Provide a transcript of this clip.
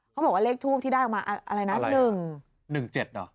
เขาบอกว่าเลขทูบที่ได้ออกมาอะไรนะหนึ่งหนึ่งเจ็ดเหรอ